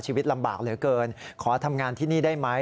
ชีวิตลำบากเหลือเกินขอทำงานที่นี่ได้ไหม